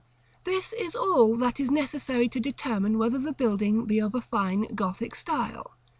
This is all that is necessary to determine whether the building be of a fine Gothic style.